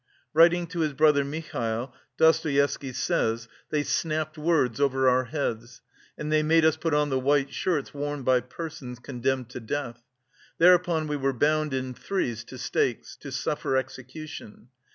Writing to his brother Mihail, Dostoevsky says: "They snapped words over our heads, and they made us put on the white shirts worn by persons condemned to death. Thereupon we were bound in threes to stakes, to suffer execution.